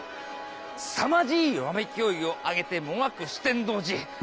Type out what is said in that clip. すさまじいわめき声を上げてもがく酒呑童子。